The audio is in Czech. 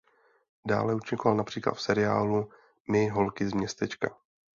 Dále účinkoval například v seriálu My holky z městečka.